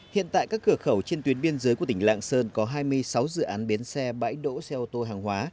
hiện tại các cửa khẩu trên tuyến biên giới của tỉnh lạng sơn có hai mươi sáu dự án bến xe bãi đỗ xe ô tô hàng hóa